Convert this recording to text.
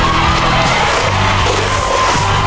ครอบ